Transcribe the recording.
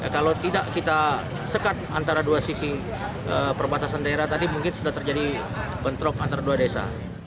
kalau tidak kita sekat antara dua sisi perbatasan daerah tadi mungkin sudah terjadi bentrok antara dua desa